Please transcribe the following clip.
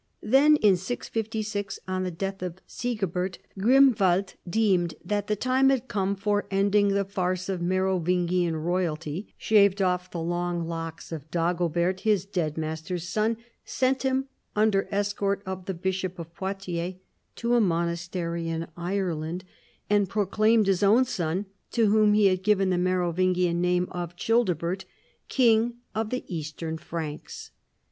Then, in 656, on the death of Sigi bert, Grimwald deemed that the time had. come for ending the farce of Merovingian royalty, shaved off the long locks of Dagobcrt, his dead master's son, sent him, under the escort of the Bishop of Poitiers, to a monastery in Ireland, and proclaimed his own son, to whom he had given the Merovingian name of Childebert, King of the Eastern Franks.